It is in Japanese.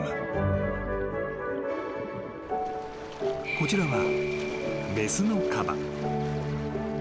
［こちらは］